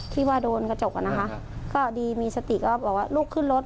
ที่ว่าโดนกระจกอะนะคะก็ดีมีสติก็บอกว่าลุกขึ้นรถ